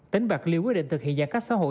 tỉnh bạc liêu quyết định thực hiện giãn cách xã hội